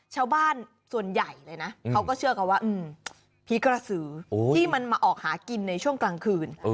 ชาวบ้านส่วนใหญ่เลยนะเขาก็เชื่อกันว่าผีกระสือที่มันมาออกหากินในช่วงกลางคืน